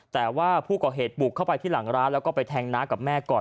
แต่ว่าผู้ก่อเหตุบุกเข้าไปที่หลังร้านแล้วก็ไปแทงน้ากับแม่ก่อน